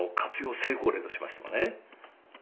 成功例としましてもね。